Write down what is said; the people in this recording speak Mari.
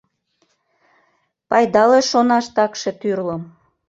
Пайдале шонаш такше тӱрлым;